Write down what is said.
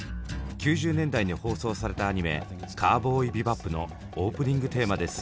１９９０年代に放送されたアニメ「カウボーイビバップ」のオープニングテーマです。